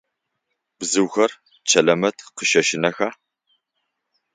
Бзыухэр Чэлэмэт къыщэщынэха?